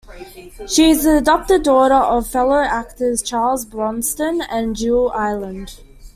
She is the adopted daughter of fellow actors Charles Bronson and Jill Ireland.